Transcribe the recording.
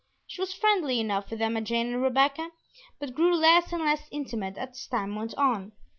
She was friendly enough with Emma Jane and Rebecca, but grew less and less intimate as time went on.